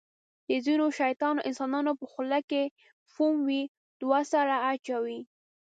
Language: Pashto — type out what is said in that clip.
د ځینو شیطان انسانانو په خوله کې فوم وي. دوه سره اچوي.